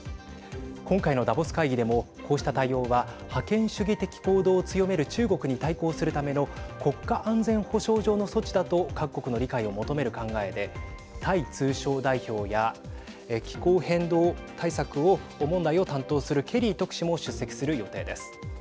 今回のダボス会議でもこうした対応は覇権主義的行動を強める中国に対抗するための国家安全保障上の措置だと各国の理解を求める考えでタイ通商代表や気候変動問題を担当するケリー特使も出席する予定です。